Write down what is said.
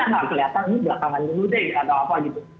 nggak kelihatan ini belakangan dulu deh atau apa gitu